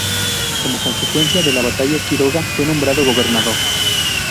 Como consecuencia de la batalla, Quiroga fue nombrado gobernador.